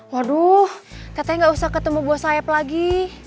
waduh teteng gak usah ketemu bos saeb lagi